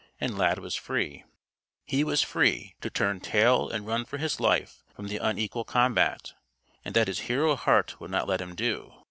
And Lad was free. He was free to turn tail and run for his life from the unequal combat and that his hero heart would not let him do.